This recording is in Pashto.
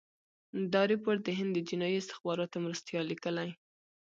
دا رپوټ د هند د جنايي استخباراتو مرستیال لیکلی.